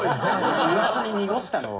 言わずに濁したのを。